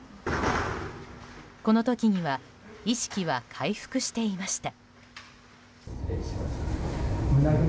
この時には意識は回復していました。